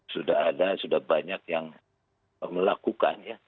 sudah ada sudah banyak yang melakukan ya